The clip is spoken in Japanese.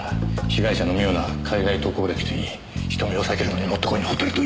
被害者の妙な海外渡航歴といい人目を避けるのにもってこいのホテルといい。